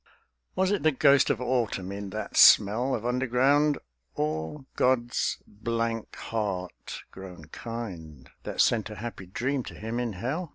Was it the ghost of autumn in that smell Of underground, or God's blank heart grown kind, That sent a happy dream to him in hell?